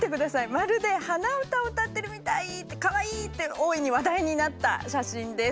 「まるで鼻歌を歌ってるみたい」「かわいい」って大いに話題になった写真です。